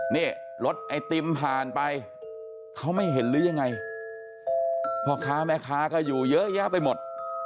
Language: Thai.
นี่รถไอติมผ่านไปเขาไม่เห็นหรือยังไงพ่อค้าแม่ค้าก็อยู่เยอะแยะไปหมด